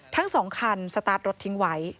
ทั้ง๒คันสตาร์ทรถทิ้งไว้